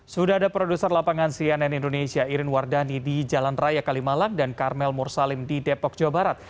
sudah ada produser lapangan cnn indonesia irin wardani di jalan raya kalimalang dan karmel mursalim di depok jawa barat